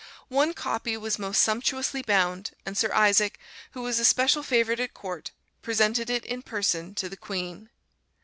One copy was most sumptuously bound, and Sir Isaac, who was a special favorite at Court, presented it in person to the Queen.